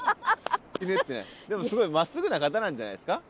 でもすごいまっすぐな方なんじゃないですか？